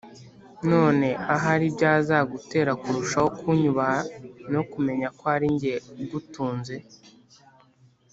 none ahari byazagutera kurushaho kunyubaha no kumenya ko ari njye ugutunze.”